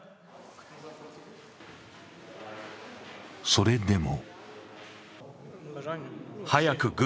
それでも。